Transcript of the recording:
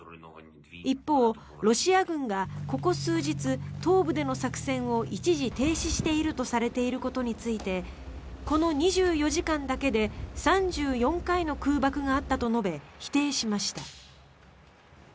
一方、ロシア軍がここ数日東部での作戦を一時停止しているとされることについてこの２４時間だけで３４回の空爆があったと述べ否定しました。